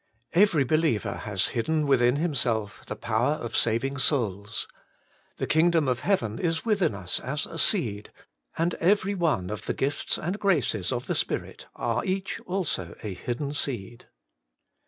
Every believer has hidden within himself the power of saving souls. The Kingdom of Heaven is within us as a seed, and every one of the gifts and graces of the spirit are each also a hidden seed.